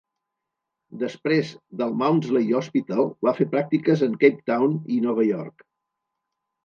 Després del Maudsley Hospital va fer pràctiques en Cape Town i Nova York.